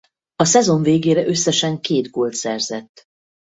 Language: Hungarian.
A szezon végére összesen két gólt szerzett.